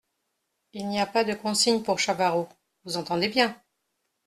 Il n’y a pas de consigne pour Chavarot, vous entendez bien ?